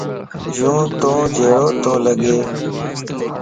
يو تو جھڙو تو لڳ